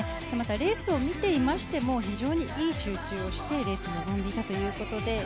またレースを見ていましても非常にいい集中をしてレースに臨んでいたということで。